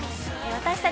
◆私たち